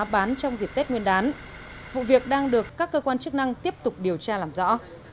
bán trong dịp tết nguyên đán vụ việc đang được các cơ quan chức năng tiếp tục điều tra làm rõ